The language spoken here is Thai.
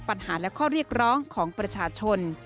ปัญหาและข้อเรียกร้องของประชาชน